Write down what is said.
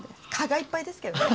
蚊がいっぱいですけどね！